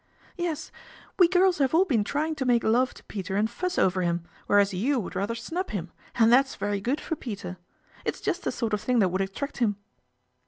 " Yes, we girls have all been trying to make love to Peter and fuss over him, whereas you woulc* rather snub him, and that's very good for Peter It's just the sort of thing that would attrac him."